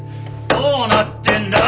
どうなってんだ！？